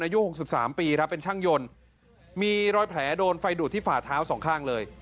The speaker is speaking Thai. อายุ๖๓ปีครับเป็นช่างยนต์มีรอยแผลโดนไฟดูดที่ฝ่าเท้าสองข้างเลย